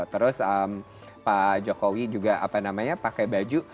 terus pak jokowi juga pakai baju